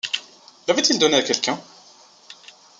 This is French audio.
L’avait-il donnée à quelqu’un?